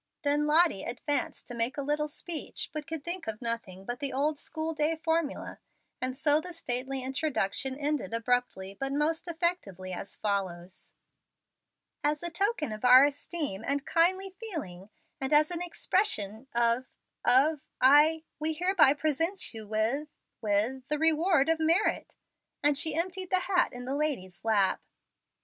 Then Lottie advanced to make a little speech, but could think of nothing but the old school day formula; and so the stately introduction ended abruptly but most effectively, as follows: "As a token of our esteem and kindly feeling, and as an expression of of I we hereby present you with with the reward of merit"; and she emptied the hat in the lady's lap.